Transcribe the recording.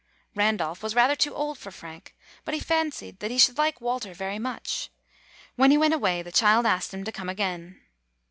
Randolph was rather too old for Frank, but he fancied that he should like Walter very much. When he went away the child asked him to come again.